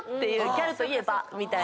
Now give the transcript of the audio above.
ギャルといえばみたいな。